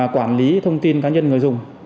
quản lý thông tin cá nhân người dùng